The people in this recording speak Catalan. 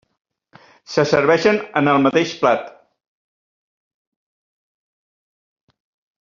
Se serveixen en el mateix plat.